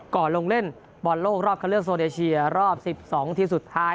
ก่อนลงเล่นบอลโลกรอบคันเลือดโซเดชียรอบ๑๒ทีมสุดท้าย